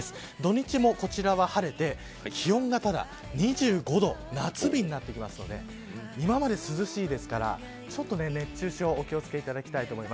土日もこちらは晴れて気温が、ただ２５度夏日になってきますので今まで涼しいですからちょっと熱中症お気を付けください。